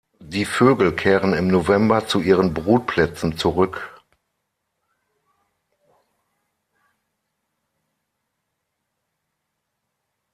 Die Vögel kehren im November zu ihren Brutplätzen zurück.